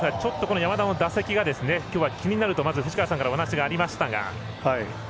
山田の打席が気になると藤川さんからお話がありました。